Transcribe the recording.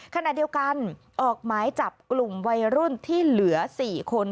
ขณะเดียวกันออกหมายจับกลุ่มวัยรุ่นที่เหลือ๔คน